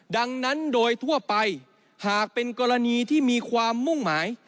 ดังนั้นโดยทั่วไปหากเป็นกรณีที่มีความมุ่งหมาย